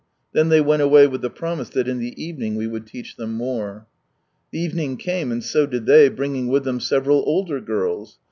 Then they went away with ihe promise that in the evening we would teach thera more. The evening came, and so did they, bringing with them several older girls.